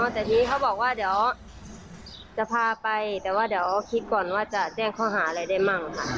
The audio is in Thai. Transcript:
แต่ทีนี้เขาบอกว่าเดี๋ยวจะพาไปแต่ว่าเดี๋ยวคิดก่อนว่าจะแจ้งข้อหาอะไรได้มั่งค่ะ